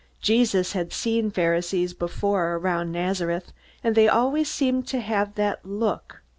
Jesus had seen Pharisees before, around Nazareth, and they always seemed to have that look.